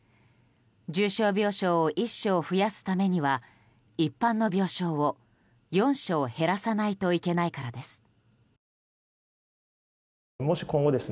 重症病床を１床増やすためには一般の病床を４床減らさないといけないからです。